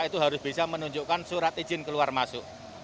itu harus bisa menunjukkan surat izin keluar masuk